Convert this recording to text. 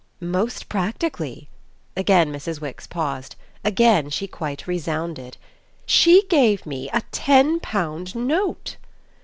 "Most practically." Again Mrs. Wix paused; again she quite resounded. "She gave me a ten pound note."